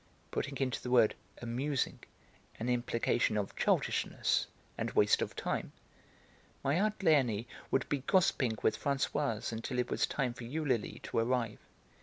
putting into the word 'amusing' an implication of childishness and waste of time), my aunt Léonie would be gossiping with Françoise until it was time for Eulalie to arrive.